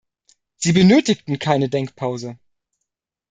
Sie benötigten keine Denkpause.